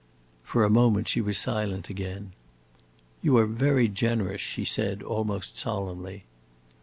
For a moment she was silent again. "You are very generous," she said, almost solemnly.